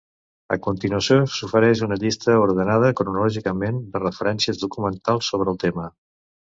A continuació s’ofereix una llista, ordenada cronològicament, de referències documentals sobre el tema.